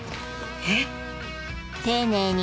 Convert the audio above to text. えっ？